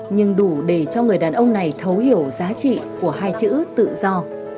nhưng đủ để cho người đàn ông này thấu hiểu giá trị của hai chữ tự do